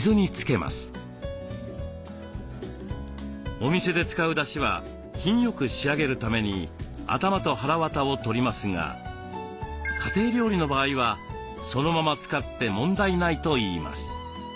お店で使うだしは品よく仕上げるために頭とはらわたを取りますが家庭料理の場合はそのまま使って問題ないといいます。